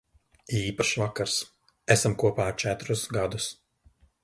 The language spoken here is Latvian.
Īpašs vakars. Esam kopā četrus gadus.